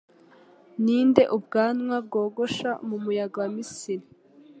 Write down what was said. Ninde ubwanwa bwogosha mumuyaga wa Misiri.